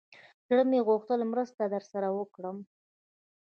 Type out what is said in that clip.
زړه مې وغوښتل مرسته ورسره وکړم.